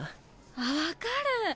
あっ分かる！